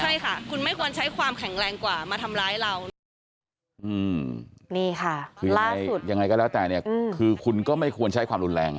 ใช่ค่ะคุณไม่ควรใช้ความแข็งแรงกว่ามาทำร้ายเรา